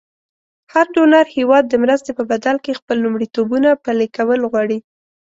هر ډونر هېواد د مرستې په بدل کې خپل لومړیتوبونه پلې کول غواړي.